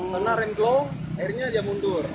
karena remblong akhirnya dia mundur